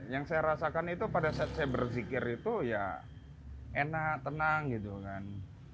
yang saya rasakan itu pada saat saya berzikir itu ya enak tenang gitu kan